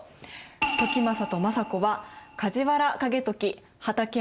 時政と政子は梶原景時畠山重忠